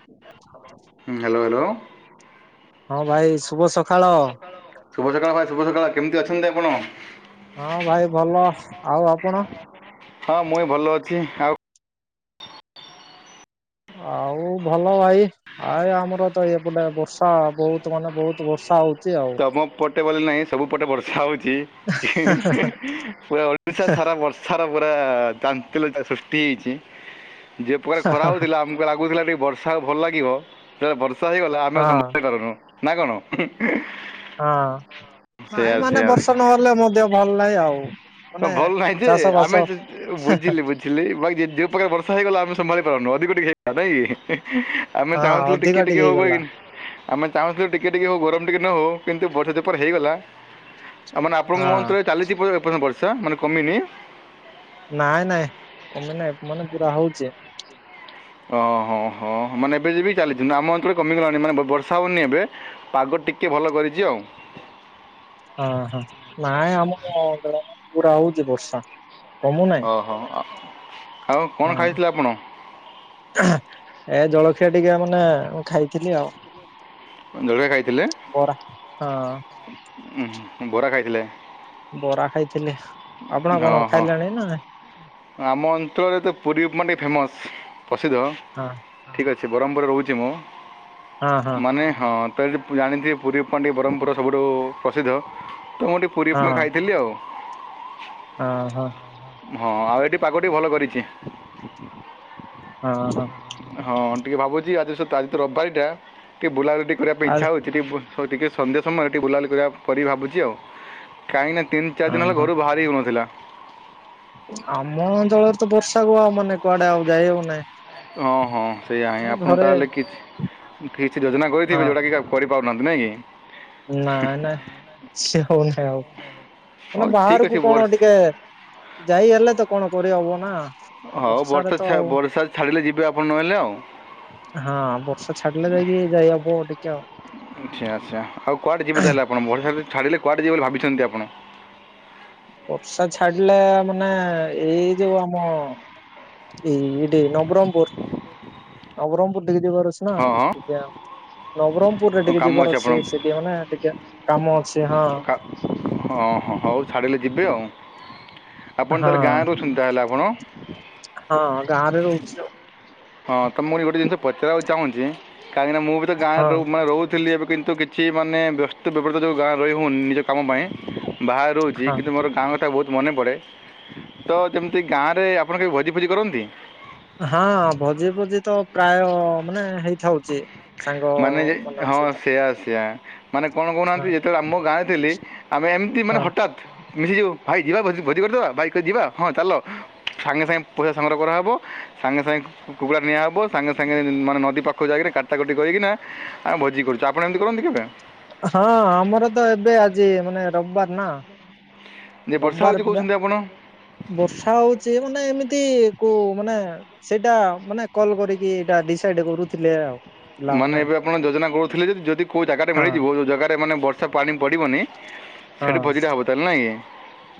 [unintelligible] ହୁଁ hello hello. ହଁ ଭାଇ ସ୍‌ ଶୁଭ ସକାଳ ଶୁଭ ସକାଳ ଭାଇ ଶୁଭ ସକାଳ କେମିତି ଅଛନ୍ତି ଆପଣ? ହଁ ଭାଇ ଭଲ ଆଉ ଆପଣ? ହଁ ମୁଇ ବି ଭଲ ଅଛି ଆଉ ଆଉ ଭଲ ଭାଇ। ଆ ଏ ଆମର ତ ଇଏ ବଟେ ବର୍ଷା ବହୁତ ମାନେ ବହୁତ ବର୍ଷା ହଉଛି। ଆଉ। ତମ ପଟେ ବୋଲି ନାହିଁ ସବୁ ପଟେ ବର୍ଷା ହଉଛି। ପୁରା ଓଡିଶା ସାରା ବର୍ଷ ସାର ପୁରା ଚାନ୍ତିଲ୍ୟ ସୃଷ୍ଟି ହେଇଛି ଯେଉ ପ୍ରକାର ଖରା ହେଉଥିଲା ଆମ ମତେ ଲାଗୁଥିଲା ଟିକେ ବର୍ଷା ଭଲ ଲାଗିବ ସେେବେଳେ ବର୍ଷା ହେଇଗଲା ଆମେ ହଁ ସମ୍ଭ କରନୁ ନା କଣ? ହଁ ସେୟା ଭାଇ ମାନେ ସେୟା ବର୍ଷା ନହେଲେ ମଧ୍ୟ ଭଲ ନାହିଁ ଆଉ। ହ ମାନେ ଭଲ ନାହିଁ ଯେ ଚାଷ ବାସ ଆମେ ବୁଝିଲି ବୁଝି ଥିଲ ବା ଯୋଉ ପ୍ରକାର ବର୍ଷ ହେଇଗଲା ଆମେ ସମ୍ଭାଳି ପାରୁନୁ ଅଧିକ ଟିକେ ହେଇଗଲା ନାଇଁ। ଆମେ ହଁ ଚାହୁଁଥିଲୁ ଅଧିକ ଟିକେ ଟିକେ ହବ ହେଇ ହେଇଗଲା କି। ଆମେ ଚାହୁଁଥିଲେୁ ଟିକିେ ଟିକିଏ ହେଉ ଗରମ ଟିକେ ନ ହେଉ କିନ୍ତୁ ବର୍ଷ ଚପର ହେଇଗଲା ଆଉାନେ ଆପଣଙ୍କ ହଁ ମନ୍ତେ ଚାଲିଚିଏ ପର୍ଯ୍ୟନ୍ତ ପର୍ଷ ମାନେ କମିନି? ନାଇଁ ନାଇଁ କମେ ନାଇଁ ମାନେ ପୁରା ହଉଛି। ଓହୋ ହଁ ମାନେ ଏବେ ଯ ବି ଚାଲିଛନ୍ତି ଆମ ଅଞ୍ଚଳରେ କମିଗଲାଣି ମାନେ ବର୍ଷା ହଉନି ଏବେ ପାଗ ଟିକେ ଭଲ କରିଚି ଆଉ। ହଁ ହଁ ନାଇଁ ଆମ ଗ୍ରାମ ପୁରା ହଉଛି ବର୍ଷା କମୁନାହି। ଓହ ଆଉ କଣ ଖାଇଥିଲେ ଆପଣ? ହେ ଜଳଖିଆ ଟିକେ ମାନେଁ ଖାଇଥିଲି ଆଉ। ଜଳଖିଆ ଖାଇଥିଲେ? ବୋରା ହଁ। ଉ ବରା ଖାଇଥିଲେ? ବରା ଖାଇଥିଲେ ଆପଣ ହଁ କଣ ହଁ ଖାଇଲେଣି ନାଇଁ। ଆମ ଅଞ୍ଚଳରେ ତ ପୁରୀ ମାନେ ଫେମସ୍ ପ୍ରସିଦ୍ଧ। ହଁ। ଠିକ୍ ଅଛି ବ୍ରହ୍ମପୁରରେ ରହୁଛି ମୁଁ ହଁ ହଁ ମାନେ ହଁ ତ ଯଦି ଜାଣିଥିବ ପୁରୀ ପାଣ୍ଡି ବ୍ରହ୍ମପୁର ସବୁଠୁ ପ୍ରସିଦ୍ଧ ତ ମୁଁ ଗୋଠି ପୁରୀ ଉପମା ହଁ। ଖାଇଥିଲି ଆଉ। ହଁ ହଁ। ହଁ ଆଉ ଏଠି ପାଗଟି ଭଲ କରିଛି। ହଁ ହଁ। ହଁ ଟିକିେ ଭାବୁଛି ଆଜି ସତ ଆଜି ତ ରବିବାରି ଟା ଟିକେ ବୁଲା ରୋଟି କରିବା ପାଇଁ ଆ ଇଚ୍ଛା ହଉଛି ଟିକେ ସଉ ଟିକେ ସନ୍ଧ୍ୟା ସମୟରେ ଟିକି ବୁଲାବଲି କରିବା ପରେରି ବି ଭାବୁଛି ଆଉ କାହିଁକିନା ତିନି ଚାରି ହଁ ଦିନ ହେ ହଁ ଘରୁ ବାହାରି ହେଉନଥିଲା ଆମ ଅଞ୍ଚଳରେ ତ ବର୍ଷା କୁ ଆଉ ମାନେ କୁଆଡେ ଆଉ ଯାଇ ହଉନହିଁ। ହଁ ହଁ ସେଇୟା ହିଁ ଆପଣ ତାହେଲେ କିଛି୍ ଫିକ୍ସ ଯୋଜନା ହଁ କରିଥିବେ ଯେଉଁଟାକିଆ କରି ପାରୁନାହାନ୍ତି। ନାଇଁ କି? ନାଇଁ ନାଇଁ ସେ ହୋଉନି ଆଉ। ହଉ ମାନେ ଠିକ୍ ଅଛି ବାହାରକୁ କଣ ବର୍ଷ ଟିକିଏ ଯାଇ ହେଲେ ତ କଣ କରିହବ ନା? ହଉ ବର୍ଷାରେ ବର୍ଷା ତ ଛା ଆଉ ବର୍ଷା ଛାଡ଼ିଲେ ଯିବେ ଆପଣ ନହେଲେ ଆଉ। ହଁ ବର୍ଷା ଛାଡିଲେ ଯାଇକି ଯାଇ ହବ ଦେଖିଆଉ। ଆଛା ଆଛା ଆଉକୁଆଡ଼େ ଯିବେ ତାହେଲେ ଆପଣ। ବର୍ଷାଯଦି ଛାଡ଼ିଲେ କୁଆଡ଼େ ଯିବେ ବୋଲି ଭାବିଛନ୍ତି ଆପଣ। ବର୍ଷା ଛାଡିଲା ମାନେ ଏଇ ଯୋଉ ଆମ ଏଇ ଏଇଠି ନବରଙ୍ଗପୁର। ନବରଙ୍ଗପୁର ଟିକିଏ ଯିବାର ଅଛି। ନାଆଁ ହଁ ଦିବ୍ୟା। ନବରଙ୍ଗପୁରରେ ହଁ ଟିକିଏ କାମ ଯିବାର ଆପଣ ଅଛି। ସେଦିଅନା ଟିକିଏ କାମ ଅଛି। ହଁ। କା- ହଁ ହଁ ହଉ ଛାଡ଼ିଲେ ଯିବେ ଆଉ। ଆପଣ ହଁ ତାହେଲେ ଗାଁରୁ ଅଛନ୍ତି ତାହେଲେ ଆପଣ? ହଁ ଗାଁ ରେ ରହୁଚି ଆଉ। ହଁ ତମକୁ ମୁଁ ଗୋଟେ ଜିନିଷ ପଚାରିବାକୁ ଚାହୁଁଚି କାହିଁକିନା ମୁଁ ବି ତ ଗାଁରେ ହଁ ମାନେ ରହୁ ଥିଲି। ଏବେ କିନ୍ତୁ କିଛି ମାନେ ବ୍ୟସ୍ତ ବିବ୍ରତ ଯୋଉ ଗାଁରେ ରହିହୋଉନି ନିଜ କାମ ପାଇଁ ବାହା ରହୁଚି। ହଁ କିନ୍ତୁ ମୋର ଗାଁ କଥା ବହୁତ୍ ମନେ ପଡ଼େ। ତ ତେମିତି ଗାଁ ରେ ଆପଣ କେବେ ଭୋଜି ଫୋଜି କରନ୍ତି? ହଁ ଭୋଜି ଫୋଜି ତ ପ୍ରାୟ ମାନେ ହେଇଥାଉଚି। ମାନେ ଯେ ହଁ ସେଇଆ ସେଇଆା ମାନେ କଣ ହଁ କହୁନାହାନ୍ତି ଯେତେବେଳେ ଆମ ଗାଁରେ ଥିଲି ଆମେ ଏମ୍ ମାନେ ହଁ ହଠାତ୍ ମିଶିଯିବ ଭାଇ ଯିବା ଭୋଜି କରିଦବା ଭାଇ ଯିବା ହଁ ଚାଲ। ସାଙ୍ଗେ ସାଙ୍ଗେ ପଇସା ସଂଗ୍ରହ କରାହବ। ସାଙ୍ଗେ ସାଙ୍ଗେ କୁକୁଡା ନିଆ ହବ ସାଙ୍ଗେ ସାଙ୍ଗେ ମାନେ ନଦୀ ପାଖକୁ ଯାଇକିନା କାଟା କଟି କରିକି ନା ଆ ଭୋଜି କରୁଚୁ। ଆପଣ ଏମିତି କରନ୍ତି କେବେ? ହଁ ଆମର ତ ଏବେ ଆଜି ମାନେ ରବିବାର ନା। ଯେ ବର୍ଷା ହେଉଛି ରବିବାରପୁରା। କହୁଛନ୍ତି ଆପଣ ବର୍ଷା ହୋଉଚି ମାନେ ଏମିତି କୋଉ ମାନେ ସେଇଟା ମାନେ କଲ କରିକି ଏଇଟା ଡିସାଇଡ କରୁଥିଲେ ଆଉ। ପିଲାମାନେ ମାନେ ଏବେ ଆପଣ ଯୋଜନା କରୁଥିଲେ ଯେ ଯଦି ଜାଗାରେ ହଁ ମିଳିଯିବ ଉ ଜାଗାରେ ମାନେ ବ ର୍ଷା ପାଣି ପଡ଼ିବନି। ହଁ ସେଇଠି ଭୋଜିଟା ହେବ ତାହେଲେ ନା ଆଜ୍ଞା?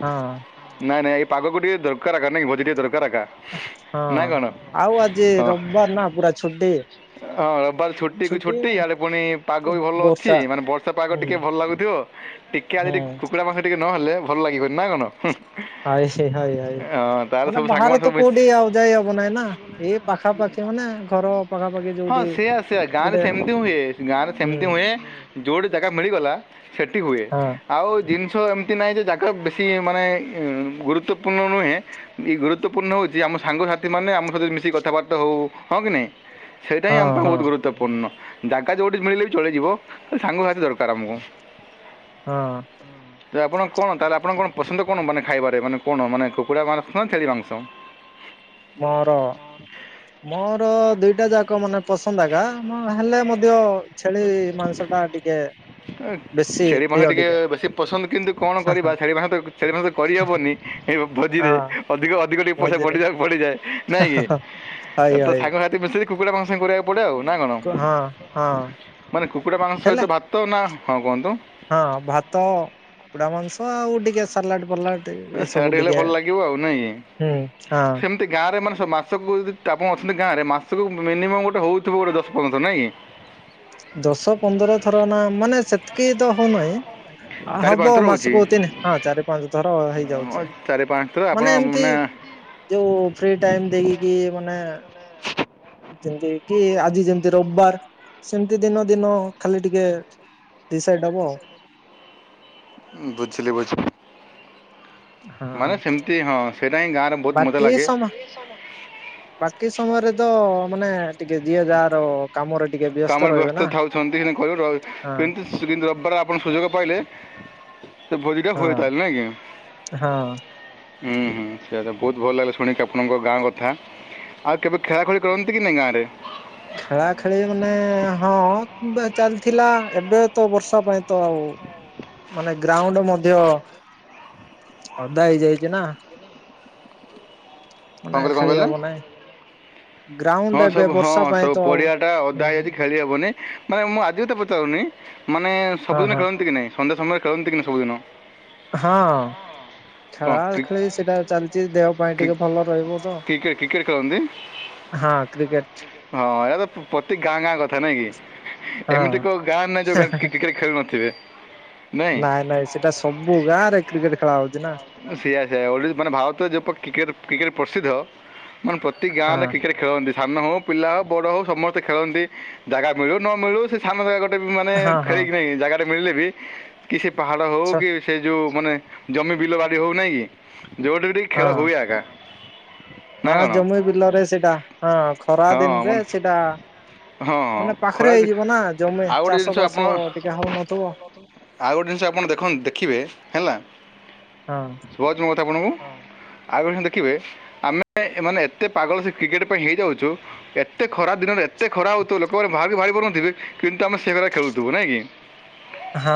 ହଁ ନାଇଁ ନାଇଁ ଏଇ ପାଗକୁ ଟିକିଏ ଦରକାର ଅକା। ନାଇଁ ଭୋଜି ଟେ ଦରକାର ଅକା। ହଁ ଆଉ ଆଜି ରବିବାର ନା ପୁରା ଛୁଟି। ହଁ ହଁ ରବିବାର ଛୁଟ ଛୁଟି କୁ ଛୁଟି ଇଆଡେ ପୁଣି ପାଗ ବି ଭଲ ଅଛି। ବର୍ଷା ମାନେ ବର୍ଷା ପାଗ ହୁଁ ଟିକିଏ ଭଲ ଲାଗୁଥିବ। ଟିକିଏ ହୁଁ ଆଜି କୁକୁଡ଼ା ମା ଟିକିଏ ନ ହେଲେ ଭଲ ଲାଗିବନି ନା କଣ? ହୁଁ- ହାଏ ସେ ହାଏ ହାଏ ହଁ ତାହେଲେ ମାନେ ସବୁ ବାହାରେ ସାଙ୍ଗମାନେ ସବୁ ତ ମିଶି କୋଉଠି ଆଉ ଯାଇ ହବ ନାଇଁ ନା। ଏଇ ପାଖାପାଖି ମାନେ ଘର ପାଖାପାଖି ଯୋଉ ସେଇଆ ସେଇଆ ଗାଁ ରେ ସେମିତି ହୁଁଏ। ଗାଁ ରେ ହୁଁ ସେମିତି ହୁଁଏ ଯୋଉଠି ଜାଗା ମିଳିଗଲା ସେଟି ହୁଏ। ହଁ ଆଉ ଜିନିଷ ଏମିତି ନାହିଁ ଯେ ଜାଗା ବେଶୀ ମାନେ ଏ ଗୁରୁତ୍ୱପୂର୍ଣ୍ଣ ନୁହେଁ। ଏଇ ଗୁରୁତ୍ୱପୂର୍ଣ୍ଣ ହୋଉଚି ଆମ ସାଙ୍ଗସାଥିମାନେ ଆମରଯୋଉ ମିଶିକି କଥାବାର୍ତ୍ତା ହୋଉ। ହଁ କି ନାଇଁ? ହେଇଟା ହଁ ହିଁଆମ୍ ହଁ ଗୁରୁପୂର୍ଣ ଜାଗା ଯୋଉଠି ମିଳିଲେ ବି ଚଳିଯିବ। ସାଙ୍ଗସାଥି ଦରକାର ଆମକୁ। ହଁ। ହୁଁ [inaudible] ଆପଣ କଣ ତାହେଲେ ଆପଣ କଣ ପସନ୍ଦ କଣ ମାନେ ଖାଇବାରେ ମାନେ କଣ? ମାନେ କକୁଡ଼ ମାଂସ ନା ଛେଳି ମାଂସ? ମୋର ମୋର ଦୁଇଟା ଯାକ ମାନେ ପସନ୍ଦ ଆଗା ହେଲେ ମଧ୍ୟ ଛେଳି ମାଂସଟା ଟିକିଏ ଛେଳି [unintelligible] ଟିକେ ବେଶୀ ପସନ୍ଦ କିନ୍ତୁ କଣ ହଁ କରିବା ହଁ ଛେଳି ମାହନ୍ତ ଛେଳି ମାଉସତ କରିହେବନି। ଏବେ ହଁ ଭୋଜିରେ ମଝିରେ ହଁ ହଁ ହଇ ହଇ [unintelligible] ପଡେ ଆଉ ନାକଣ କୁ- ହଁ ହଁ ମାନେ କୁକୁଡା ମାଂସ ହେଲେ ସହିତ ଭାତନା ହଁ କୁହନ୍ତୁ। ହଁ ଭାତ କୁକୁଡା ମାଂସ ଆଉ ଟିକେ ସାଲଟ ଫାଲଟ। ଏ ସେଟା ଏସବୁ ହେଲେ ଟିକେ ଭଲ ହୁଁ ହଁ। ଏଠି ଗାଁରେ ମାନେ ମାସକୁ ଯଦି ଆପଣ ଅଛନ୍ତି ଗାଁରେ ମାସକୁ ମିନିମମ ଗୋଟେ ହଉଥିବ ଗୋଟେ ଦଶ ପନ୍ଦର ନାଇଁ କି? ଦଶ ପନ୍ଦର ଥରନା ମାନେ ସେତିକିତ ହଉନାଇଁ। ଆ ଚାରି ହବ ପାଞ୍ଚ ଥର ହେଉଛି ମାସକୁ ତିନି ହଁ ଚାରି ପାଞ୍ଚ ଥର ହ ହେଇ ଯାଉଚେ ଚାରି ପାଞ୍ଚ ଥର ଆପଣ ମାନେ ଏମିତି ଯୋଉ ଫ୍ରି ଟାଇମ ଦେଖିକି ମାନେ ଯେମିତି କି ଆଜି ଯେମିତି ରବିବାର ସେମିତି ଦିନ ଦିନ ଖାଲି ଟିକିଏ। ଦିସାଇଟ ହବ। ବୁଝିଲି ବୁଝିଲି ହଁ ମାନେ ସେମିତି ହଁ ସେଇଟା ହିଁ ଗାଁରେ ବହୁତ ମଜା ବାକି ଲାଗେ। ସମ ବାକି ସମୟରେତ ମାନେ ଟିକେ ଯିଏ ଯାହାର କାମରେ ଟିକିଏ କାମରେ ବ୍ୟସ୍ତ ଥାଉଛନ୍ତି ହେଲେ କହିବ ହଁ କିନ୍ତୁ। ସେ ଦିନି ରବିବାର ଆପଣ ସୁଯଗ ପାଇଲେ ସେ ଭୋଜିଟା ହଁ [unintelligible] ନାଁ କି। ହଁ ହୁଁ ହୁଁ ସେଇଆତ ବହୁତ ଭଲ ଲାଗିଲା ଶୁଣିକି ଆପଣଙ୍କ ଗାଁ କଥା। ଆଉ କେବେ ଖେଳା ଖେଳି କରନ୍ତି କି ନାଇଁ ଗାଁ ରେ ଖେଳା ଖେଳି ମାନେ ହଁ ଚାଲିଥିଲା ଏବେତ ବର୍ଷା ପାଇଁତ ଆଉ ମାନେ ଗ୍ରାଉଣ୍ଡ ମଧ୍ୟ ଓଦା ହେଇଯାଇଚିନା। କ'ଣ ମାନେ କହିଲେ କ'ଣ ଖେଳି କହିଲେ ହବ ନାଇଁ ହଁ ଗ୍ରାଉଣ୍ଡ ଏବେ ସବୁ ହଁ ବର୍ଷା ପାଇଁ ସବୁ ତ ଆଉ ପରଡିିଆଟା ହୁଁ ଓଦା ହେଇଯାଇଚି। ଖେଳି ହେବନି ମାନେ ମୁଁ ଆଜି କଥା ପଚାରୁନି ମାନେ ହଁ ସବୁଦିନେ ହଁ ଖେଳନ୍ତିକି ନାଇଁ। ସଣ୍ଡେ ସମୟରେ ଖେଳନ୍ତିକି ସବୁଦିନ। ହଁ କ'ଣ ଖେଳା କ୍ରି- ଖେଳି ସେଟା ଚାଲିଚି ଦେହ ଦେହ ପାଇଁ କ୍ରି- ଟିକେ ଭଲ ରହିବତ କ୍ରିକେଟ୍ କ୍ରିକେଟ୍ ଖେଳନ୍ତି ହଁ କ୍ରିକେଟ୍ ହଁ ଏ ତ ପ୍ରତି ଗାଁ ଗାଁ କଥା ନାଁକି। ଏମିତି ହଁ କୋଉ ଗାଁ ନାଇଁ ଯୋଉ ଗାଁରେ କ୍ରିକେଟ ଖେଳୁ ନଥିବେ ନାଇଁ। ସେଇଟା ସବୁ ଗାଁରେ କ୍ରିକେଟ ଖେଳା ହଉଚିନା। ସେଇଆ ସେଇଆ ମାନେ ଭାରତରେ ଯେହେତୁ କ୍ରିକେଟ ପ୍ରସିଦ୍ଧ ମାନେ ପ୍ରତି ହଁ ଗାଁରେ କ୍ରିକେଟ। ଖେଳନ୍ତି ସାନ ହଉ ପିଲା ହଉ ବଡ ହଉ ସମସ୍ତେ ଖେଳନ୍ତି ଜାଗା ମିଳୁ ନମିଳୁ। ସାନ ଜାଗା ଗୋଟେ ମାନେ ହଁ ହଁ ଖେଳିକିନାହିଁ ଜାଗାଟା ମିଳିଲେବି କି ସେ ପାହାଡ଼ ଛ ହଉକି ସେଯୋଉ ମାନେ ଜମି ବିଲ ବାଡି ହଉ ନାହିଁ କି ଯଉଠି ହଁ ଖେଳ ହୁଏ ଜାଗା ହଁ ଜମି ବିଲରେ ସେଇଟା ହଁ ଖରା ହଁ ଦିନରେ ମାନେ ସେଇଟା ହଁ ହଁ ମାନେ ପାଖରେ ଖରା ହେଇଯିନାମ ଜମି ଆଉ ଗୋଟେ ଚାଷ ଜିନିଷ ଆପଣ ବାସ ଟିକିଏ ହଉନଥିବ। ଆଉ ଗୋଟେ ଜିନିଷ ଆପଣ ଦେଖନ୍ତୁ ଦେଖିବେ ହେଲା ହଁ। ବଜ ମୋର କଥା ଆପଣଙ୍କୁ ଆଉଗସ ଦେଖିବେ ଆମେ ମାନେ ଏତେ ପାଗଳଯେ କ୍ରିକେଟ ପାଇଁ ହେଇଯାଉଛୁ ଏତେ ଖରା ଦିନରେ ଏତେ ଖରା ହଉଥିବ ଲୋକମାନେ ବାହାବି ବାହାରି ପାରୁନଥିବେ! କିନ୍ତୁ ଆମେ ସେ ଭଳିଆ ଖେଳୁଥିବୁ ନାଇଁ କି? ହଁ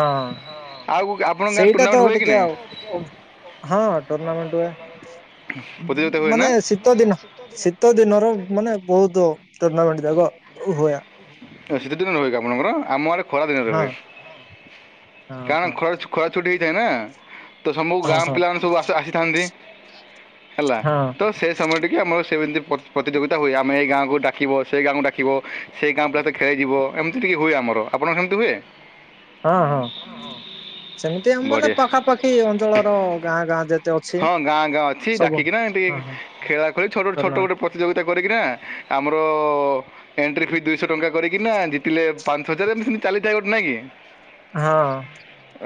ଆଉ ଅ ଆପଣଙ୍କ ଗାଁ ସେଇଟା ତ ଟୁର୍ଣ୍ଣାମେଣ୍ଟ ହୁଏ କି ଟିକେ ନାହିଁ ଆଉ ଅବ ହଁ ଟୁର୍ନାମେଣ୍ଟ ହୁଏ! ପ୍ରତିଯୋଗିତା ହୁଏ ନା ମାନେ ସ ଶୀତ ଦିନ ଶୀତ ଦିନର ମାନେ ବହୁତ ଟୁର୍ଣ୍ଣାମେଣ୍ଟ ଯାକ ହୁଏ! ସିତ ଦିନ ରହେ ଆପଣଙ୍କର ଆମ ଆଡେ ଖରା ଦିନରେ ହଁ ରହେ! ହଁ କାରଣ ହଁ ଖରାରେ ଖରା ଛୁଟି ହେଇଥାଏନା ତ ସବୁ ହଁ ଗାଁ ହଁ ପିଲାମାନେ ସବୁ ଆସିଥାନ୍ତି। ହେଲା ହଁ ତ ସେ ସମୟ ଟିକେ ଆମର ସେମିତି ପତ ପ୍ରତିଯୋଗିତା ହୁଏ! ଆମେ ଏଗାଁକୁ ଡକିବ ସେ ଗାଁକୁ ଡାକିବ! ସେ ଗାଁକୁ ଟିକେ ଖେଳିଯିବ, ଏମିତି ଟିକି ହୁଏ ଆମର ଆପଣର ସେମିତି ହୁଏ! ହଁ ହଁ ସେଇଁତି ଆମ ମାନେ ବଢ଼ିଆ ପାଖାପାଖି ଅଞ୍ଚଳର ଗାଁ ଗାଁ ଯେ ହଁ ଗାଁ ଗାଁ ଅଛି ଡାକିକିନା ଏମତି ହଁ ହଁ ଖେଳା ଖେଳି ଛୋଟ ଛୋଟ ଟୁର୍ଣ୍ଣାମେଣ୍ଟ ଗୋଟେ ପ୍ରତିଯୋଗିତା କରିକିନା ଆମର ଏଣ୍ଟ୍ରି ଫି ଦୁଇଶ ଟଙ୍କା କରିକିନା ଜିତିଲେ ମ୍ପାସ ହଜାରେ ଏମିତି ସେମତି ଚାଲିଥାଏ ଗୋଟେ ନାଇଁକି? ହାଁଅ!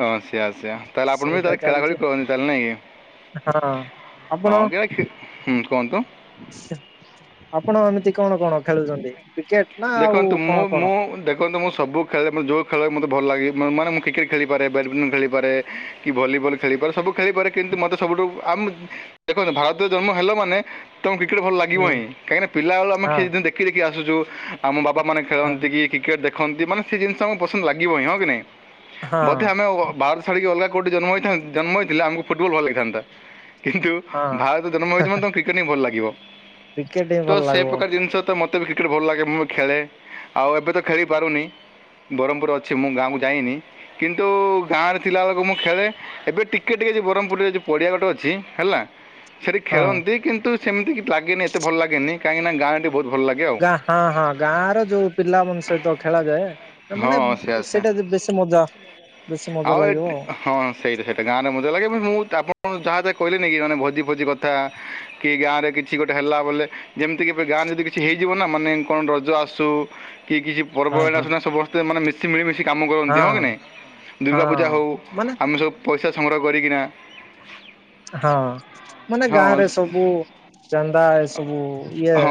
ଅଁ ସେୟା ସେୟା ତାହେଲେ ଆପଣ ବି ତାହଲେ ଖେଳା ଚାଲିଛି ଖେଳି କରନ୍ତି ତାହେଲେ ନାଇଁକି? ହଁ ହଁ ଗିଆ ଖି ହଁ କଣତ। ସିଟ ଆପଣ ଏମିତି କଣ କଣ ଖେଳୁଚନ୍ତି କ୍ରିକେଟ? ନା ଆଉ ଦେଖନ୍ତୁ କଣ ମୁଁ କଣ ମୁଁ ଦେଖ ଦେଖନ୍ତୁ ମୁଁ ସବୁ ଖେଳେ ଯୋଉ ଖେଳ ମୋତେ ଭଲ ଲାଗେ ମାନେ ମୁଁ କ୍ରିକେଟ ଖେଳିପାରେ, ବ୍ୟାଡ଼ମିଣ୍ଟନ୍ ଖେଳିପାରେ। କି ଭଲିବଲ ଖେଳିପାରେ ସବୁ ଖେଳିପାରେ, କିନ୍ତୁ ମତେ ସବୁଠୁ ଆମ ଦେଖନ୍ତୁ ଭାରତରେ ଜନ୍ମ ହେଲା ମାନେ ତମକୁ କ୍ରିକେଟ୍ ଭଲ ଲାଗିବ ହୁଁ ହିଁ, କାହିଁକିନା ପିଲାବେଳୁ ଆମେ ଖି ହଁ ଦେଖିଦେଖି ଆସୁଚୁ! ଆମ ବାବା ମାନ ହଁ ଖେଳନ୍ତିକି କ୍ରିକେଟ ଦେଖନ୍ତି, ମାନେ ସେ ଜିନିଷ ଆମକୁ ପସନ୍ଦ ଲାଗିବ ହିଁ ନାଇଁ? ହଁ ବଧେ ଆମେ ଭାରତ ଛାଡିକି ଅଲଗା କୋଉଠି ଜନ୍ମଥାନ୍ତୁ ଜନ୍ମ ହୋଇଥିଲେ ଆମକୁ ଫୁଟବଲ ଭଲ ଲାଗିଥାନ୍ତା। ଦେଖନ୍ତୁ ହଁ ଭାରତରେ ଜନ୍ମ ହେଇଚ ମାନେ କ୍ରିକେଟ୍ ହିଁ ଭଲ ଲାଗିବ! କ୍ରିକେଟ ହିଁ ତ ଭଲ ସେ ଲାଗିବ ପ୍ରକାର ଜିନିଷ ତ ମତେବି କ୍ରିକେଟ୍ ଭଲ ଲାଗେ ମୁଁ ଖେଳେ, ଆଉ ଏବେ ତ ଖେଳିପାରୁନି! ବରଂପୁର ଅଛି ମୁଁ ଗାଁକୁ ଯାଇନି, କିନ୍ତୁ ଗାଁରେ ଥିଲାବେଳକୁ ମୁଁ ଖେଳେ! ଏବେ ଟିକେ ଟିକେ ବରଂପୁରରେ ଯୋଉ ପଡିଆ ଘଟ ଅଛି ହେଲା! ସେଠି ହଁ ଖେଳନ୍ତି କିନ୍ତୁ ସେମିତି କିଚି ଲାଗେନି ଏତେ ଭଲ ଲାଗେନି, କାହିଁକିନା ଗାଁଟି ବହୁତ ଭଲ ଲାଗେ ଆଉ! ହାଁ ହାଁ ଗାଁ ର ଯୋଉ ପିଲା ମନସ ଙ୍କ ସହିତ ଖେଳାଯାଏ ହଁ ମାନେ ସେଇଆ ସେଇଆ ସେଇଟା ବେଶୀ ମଜା ବେଶୀ ମଜା ଆଉ ଲାଗିବ। ଏଠି ହଁ ସେଇଟା ସେଇଟା ଗାଁରେ ମଜା ଲାଗେ ମୁଁ ତାପରେ ଯାହା କହିଲେନି ନେଇକି ଯାଏ ଭୋଜି ଫୋଜି କଥା କି ଗାଁ ରେ କିଛି ଗୋଟେ ହେଲା ବୋଲେ ଯେମିତିକ ଏବେ ଗାଁରେ ଯଦି କିଚି ହେଇଯିବନା ମାନେ କଣ ରଜ ଆସୁ କି କିଚି ହଁ ପର୍ବଏଇନା ହଁ। ସିନା ସବସ୍ତ ଏମାନେ ମିଶି ମିଳିମିଶି କାମ କରନ୍ତି, ହଁ କି ନାଇ ଦୁର୍ଗା ପୂଜା ହଁ ହଉ ମାନେ ଆମେ ସବୁ ପଇସା ସଂଗ୍ରହ କରିକିନା ହାଁ ମାନେ ହଁ ଗାଁ ରେ ସବୁ ଚାନ୍ଦା ଏ ସବୁ ଇଏ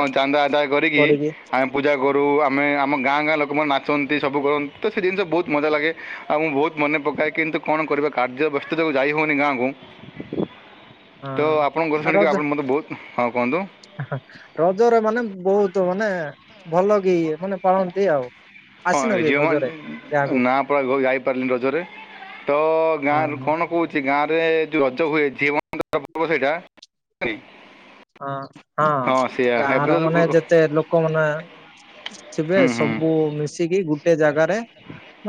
ଆଦାୟ କରିକି ଆଏମେ ପୂଜା କରୁ ଆମେ ଆମ ଗାଁ ଗାଁ ଲୋକମାନେ ନାଚନ୍ତି ସବୁ କରନ୍ତି, ତ ସେ ଜିନିଷ ବହୁତ ମଜା ଲାଗେ। ଆଉ ମୁଁ ବହୁତ ମନେ ପକାଏ କିନ୍ତୁ କଣ କରିବା କାର୍ଯ୍ୟ ବ୍ୟସ୍ତରେ ଯାଇ ହଉନି ଗାଁକୁ। ତ ହଁ ଆପଣଙ୍କର ଶୁଣିକି ଆପଣ ମୋତେ ବହୁତ ହଁ କୁହନ୍ତୁ? ଆହା ରଜରେ ମାନେ ବହୁତ ମାନେ ଭଲକି ମାନେ ପାଳନ୍ତି ଆଉ। ହଁ ଆସିନ କି ରଜରେ ଝିଅମନ ଗାଁକୁ? ନାଁପା ଗ ଯାଇପାରିଲିନି ରଜରେ ତ ହଁ ଗାଁରୁ ହଁ। କଣ କହୁଚି ଗାଁ ରେ ଯଉ ରଜ ହୁଏ ଝିଅ ମାନଙ୍କର ପର୍ବ ସେଇଟା ହଉଚି! ହଁ ହଁ ଏବେ ଗାଁର ତ ମାନେ ହୁଁ ଯେତେ ଲୋକମନେ ଥିବେ ହୁଁ ସବୁ ମିଶିକି ଗୁଟେ ଜାଗାରେ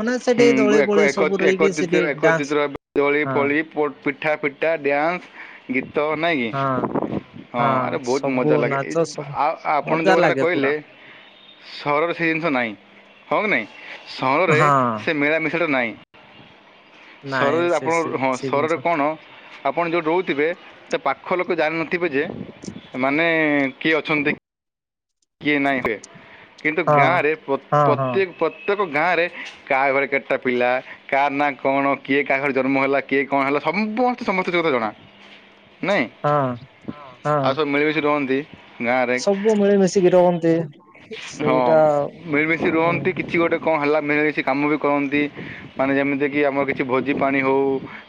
ମାନେ ସେଠି ହୁଁ ଦଳି ବୋଳି ସବୁ ରହିକି ସେଠି ଡାନ୍ସ ଜଳି ହଁ ଫଳି ପ ପିଠା ପିଠା ଡ୍ୟାନ୍ସ ଗୀତ ନା କି? ହଁ ହଁ ଆରେ ବହୁତ ସବୁ ମଜା ଲାଗେ ଏ ନାଚ ସବୁ ଆଉ ଆପଣ ମଜା ଯୋଉ କଥାଟା ଲାଗେ ପୁରା କହିଲେ। ସହରରେ ସେ ଜିନିଷ ନାହିଁ ହଁ କି ନାହିଁ ସହରରେ ହଁ ସେ ମିଳାମିଶାଟା ନାହିଁ। ସରରେ ନାଇଁ ସେ ଆପଣ ସେ ହଁ ସେ ସରରେ ଜିନିଷ କଣ ଆପଣ ଯେଉଁଥି ରହୁଥିବେ ତା ପାଖ ଲୋକ ଜାଣିନଥିବେ ଯେ ମାନେ କିଏ ଅଛନ୍ତି। କିଏ ନାହିଁରେ କିନ୍ତୁ ହଁ ଗାଁରେ ପ୍ର ହଁ ହଁ ପ୍ରତ୍ୟେକ ପ୍ରତ୍ୟେକ ଗାଁରେ କାହା ଘରେ କେତେଟା ପିଲା କା ନା କଣ କିଏ କାହା ଘରେ ଜନ୍ମ ହେଲା କିଏ କଣ ହେଲା ସମସ୍ତେ ସମସ୍ତେ କଥା ଜଣା। ନାଇଁ ହଁ ଆଉ ହଁ ସବୁ ମିଳିମିଶି ରୁହନ୍ତି। ଗାଁରେ ସବୁ ମିଳି ମିଶିକି ରଖନ୍ତି। ହଁ ମିଳିମିଶି ହୁଁ ରୁହନ୍ତି କିଛି ଗୋଟେ କଣ ହେଲା ମିଳିମିଶି କାମ ବି କରନ୍ତି ମାନେ ଯେମିତିକି ଆମର କିଛି ଭୋଜି ପାଣି ହେଉ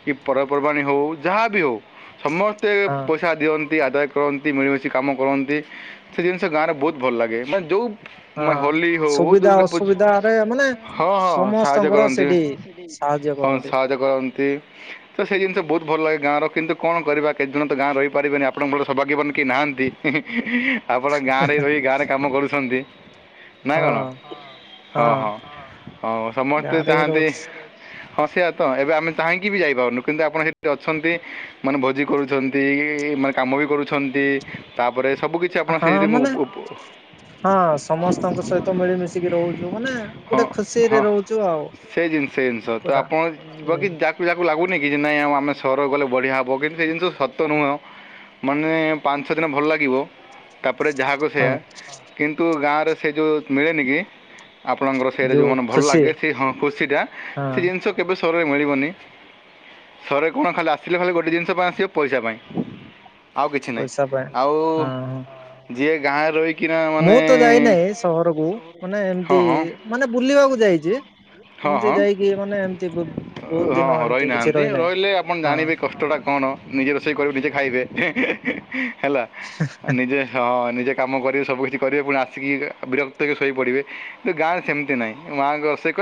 କି ପର୍ବପର୍ବାଣି ହଉ ଯାହା ବିି ହଉ ସମସ୍ତେ ହଁ ପଇ ଇଛା ଦିଅନ୍ତି ଆଦାୟ କରନ୍ତି ମିଳିମିଶି କାମ କରନ୍ତି। ସେ ଗାଁ ରେ ବହୁତ ଭଲ ଲାଗେ ମାନେ ହଁ ଯୋଉ ହୋଲି ହଉ ସୁବିଧା ଦୁର୍ଗା ପୂଜା ଅସୁବିଧାରେ ମାନେ ହଁ ହଁ ସାହାଯ୍ୟ ସମସ୍ତଙ୍କର କରନ୍ତି ସେଠି ସାହାଯ୍ୟ ହଁ କରନ୍ତି ସାହାଯ୍ୟ କରନ୍ତି। ତ ସେଇ ଜିନିଷ ବହୁତ ଭଲ ଲାଗେ ଗାଁର କିନ୍ତୁ କଣ କରିବା କେତଦିନ ତ ଗାଁ ରହିପାରିବେନି ଆପଣ ଭଲର ସୌଭାଗ୍ୟବାନ କି ନାହାନ୍ତି। ଆପଣ ଗାଁରେ ରହି ଗାଁରେ କାମ କରୁଛନ୍ତି। [unintelligible] ନାଆଁ ହଁ କଣ ହଁ ହଁ ହଉ ସମସ୍ତେ ଗାଁରେ ହିଁ ଚାହାନ୍ତି ରହୁଛି ହଁ ସେଇଆ ତ ଏବେ ଆମେ ଚାହିଁକି ବି ଯାଇପାରୁନୁ କିନ୍ତୁ ଆପଣ ସେଠି ଅଛନ୍ତି ମାନେ ଭୋଜି କରୁଛନ୍ତି। ତିହି ମାନେ କାମ ବି କରୁଛନ୍ତି ତା ପରେ ସବୁ କିିଛି ଆପଣ ହଁ ସେଇରେ ମୁଁ ମାନେ [unintelligible] ହଁ ସମସ୍ତଙ୍କ ସହିତ ମିଳିମିଶିକି ରହୁଛୁ ମାନେ ହଁ ଗୋଟେ ଖୁସି ହଁ ରେ ରହୁଛୁ ଆଉ। ସେ ଜିନିଷ ସେ ଜିନିଷ ତ ପୁରା। ଆପଣ ଯିବ ହୁଁ, କି ଯା ପିଲାକୁ ଲାଗୁନି କି ଯେ ନାଇଁ ଆଉ ଆମେ ସହର ଗଲେ ବଢିଆ ହେବ କିନ୍ତୁ ସେ ଜିନିଷ ସତ ନୁହେଁ। ମାନେ ପାଞ୍ଚ ଛଅ ଦିନ ଭଲ ଲାଗିବ। ତାପରେ ଯାହାକୁ ହଁ ସେଆ କିନ୍ତୁ ଗାଁରେ ସେ ଯେଉଁ ମିଳେନି କି ଆପଣଙ୍କର ସେଇଟା ଯୋଉ ଯେଉଁ ମନ ଭଲ ଖୁସି ଲାଗେ ସେ ହଁ ଖୁସିଟା ହଁ ସେ ଜିନିଷ କେବେ ସରରେ ମିଳିବନି। ସରେ କଣ ଖାଲି ଆସିଲେ ଖାଲି ଗୋଟେ ଜିନିଷ ପାଇଁ ଆସିବ ପଇସା ପାଇଁ। ଆଉ କିଛି ପଇସା ପାଇଁ ନାହିଁ ଆଉ ହଁ ହଁ ଯିଏ ଗାଁରେ ରହିକି ମୁଁ ତ ଯାଇନାହିଁ ସହରକୁ ମାନେ ହଁ ଏମତି ହଁ ମାନେ ବୁଲିବାକୁ ଯାଇଛି। ହଁ ଏମିତି ହଁ ଯାଇକି ମାନେ ଏମତି ବୁ- ବହୁତ ହଁ ଦିନ ହଁ ଏମତି କିଛି ରହିନାହାନ୍ତି ରହିନାହିଁ ରହିଲେ ଆପଣ ହଁ। ଜାଣିବେ କଷ୍ଟଟା କଣ। ନିଜେ ରୋଷେଇ କରିବେ ନିଜେ ଖାଇବେ ହେଲା ନିଜେ [unintelligible] ହଁ ନିଜେ କାମ କରିବେ ସବୁକିଛି କରିବେ ପୁଣି ଆସିକି ବିରକ୍ତ ଶୋଇପଡ଼ିବେ କିନ୍ତୁ ଗାଁରେ ସେମିତି ନାହିଁ। ମାଙ୍କର ସେ